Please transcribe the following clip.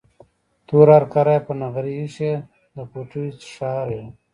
توره هرکاره یې پر نغري ایښې، د پوټیو څښاری و.